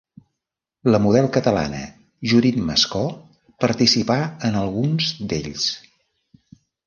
La model catalana Judit Mascó participà en alguns d'ells.